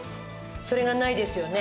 それがないですよね。